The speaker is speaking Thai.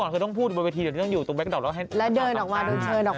จริงนี่เรื่องจริงก้อยพูดอะไรพี่อย่าหนี